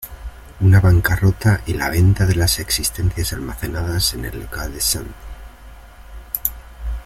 Una bancarrota y la venta de las existencias almacenadas en el local de St.